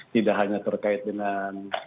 tidak hanya terkait dengan